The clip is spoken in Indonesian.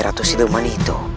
ratu siluman itu